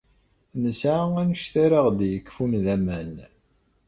Nesɛa anect ara aɣ-d-yekfun d aman.